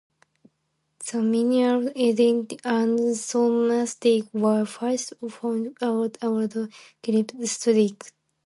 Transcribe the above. The minerals edingtonite and thomsonite were first found at Old Kilpatrick.